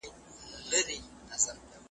تا چي هر څه زیږولي غلامان سي .